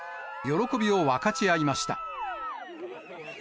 喜びを分かち合いました。